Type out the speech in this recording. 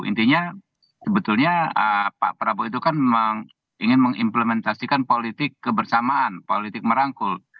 intinya sebetulnya pak prabowo itu kan memang ingin mengimplementasikan politik kebersamaan politik merangkul